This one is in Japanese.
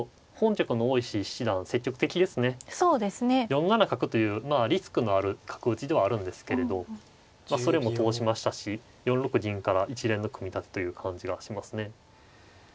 ４七角というリスクのある角打ちではあるんですけれどそれも通しましたし４六銀から一連の組み立てという感じがしますね。